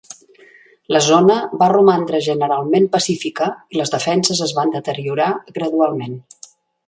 La zona va romandre generalment pacífica i les defenses es van deteriorar gradualment.